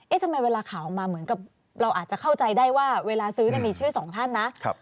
ทำไมเวลาข่าวออกมาเหมือนกับเราอาจจะเข้าใจได้ว่าเวลาซื้อมีชื่อสองท่านนะ